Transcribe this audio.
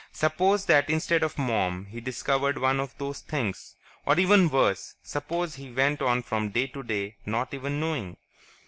Suppose that instead of Mom he discovered one of those Things ... or even worse, suppose he went on from day to day not even knowing....